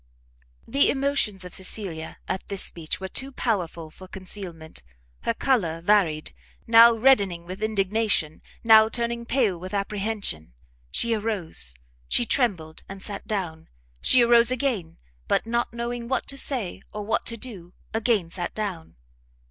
The emotions of Cecilia at this speech were too powerful for concealment; her colour varied, now reddening with indignation, now turning pale with apprehension; she arose, she trembled and sat down, she arose again, but not knowing what to say or what to do, again sat down.